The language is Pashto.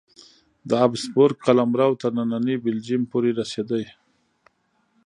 د هابسبورګ قلمرو تر ننني بلجیم پورې رسېده.